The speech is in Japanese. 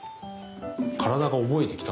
体が覚えてきた。